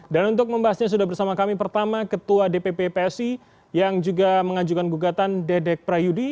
dan untuk membahasnya sudah bersama kami pertama ketua dpp psi yang juga mengajukan gugatan dedek prayudi